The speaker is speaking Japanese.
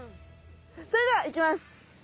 それではいきます。